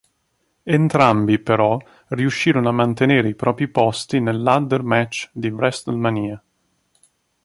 Entrambi, però, riuscirono a mantenere i propri posti nel Ladder match di WrestleMania.